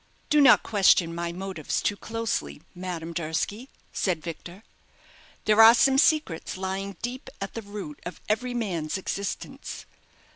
"Do not question my motives too closely, Madame Durski," said Victor; "there are some secrets lying deep at the root of every man's existence.